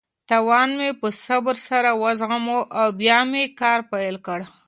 تاوان مې په صبر سره وزغمه او بیا مې کار پیل کړ.